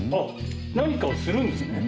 何かをするんですね？